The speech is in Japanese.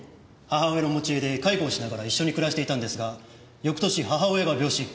母親の持ち家で介護をしながら一緒に暮らしていたんですが翌年母親が病死。